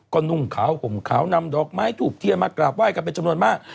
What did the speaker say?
ก็นุ่งขาวห่มขาวนำดอกไม้ถูกเทียนมากราบไห้กันเป็นจำนวนมาก